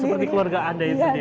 seperti keluarga anda sendiri